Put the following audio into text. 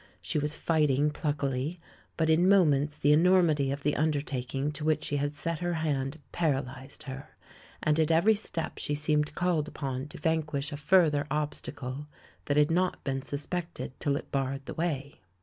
She was fighting pluckily, but in moments the enormity of the undertaking to which she had set her hand paralysed her, and at every step she seemed called upon to vanquish a further obstacle that had not been suspected till it barred the way.